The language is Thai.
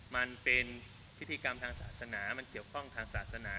มันเป็นพิธีกรรมทางศาสนามันเกี่ยวข้องทางศาสนา